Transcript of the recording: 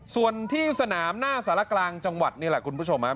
ส่วนที่สนามหน้าสารกลางจังหวัดนี่แหละคุณผู้ชมครับ